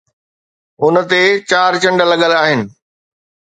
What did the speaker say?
ان تي چار چنڊ لڳل آهن